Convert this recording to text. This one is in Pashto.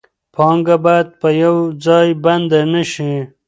پانګه باید په یو ځای بنده نشي.